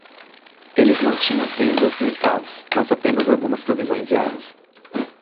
Eles não tinham tendas nem carros, mas apenas algumas provisões e armas.